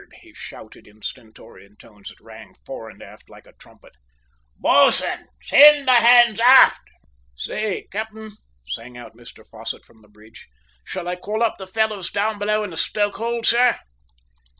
he shouted in stentorian tones that rang fore and aft like a trumpet. "Bo'sun, send the hands aft." "Say, cap'en," sang out Mr Fosset from the bridge, "shall I call up the fellows down below in the stoke hold, sir?"